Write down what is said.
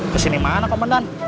kesini mana komandan